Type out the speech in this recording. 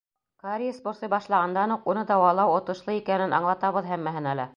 Кариес борсой башлағандан уҡ уны дауалау отошло икәнен аңлатабыҙ һәммәһенә лә.